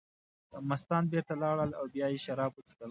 مستان بېرته لاړل او بیا یې شراب وڅښل.